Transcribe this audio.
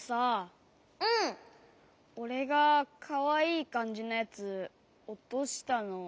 おれがかわいいかんじのやつおとしたのみたよね？